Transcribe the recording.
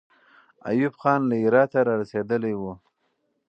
ایوب خان له هراته را رسېدلی وو.